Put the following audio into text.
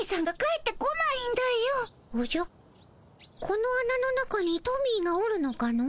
このあなの中にトミーがおるのかの？